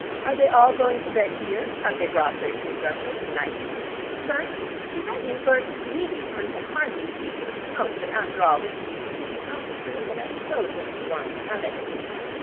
Are they all going to bed here? Have they brought their tooth brushes and nighties? Berts, is that you, Berts? Really one can hardly see for the smoke, but after all this used to be the smoking room, and I suppose it has formed the habit.